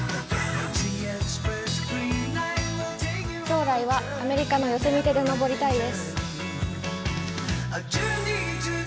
将来はアメリカのヨセミテで登りたいです。